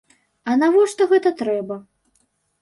А навошта гэта трэба?